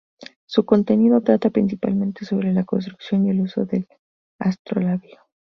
Su contenido trata principalmente sobre la construcción y el uso del astrolabio.